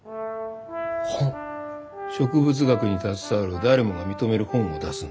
植物学に携わる誰もが認める本を出すんだ。